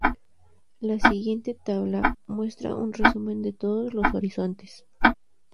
La siguiente tabla muestra un resumen de todos los horizontes.